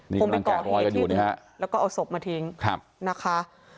พวกมันไปก่อเหตุที่แล้วก็เอาศพมาทิ้งนะคะ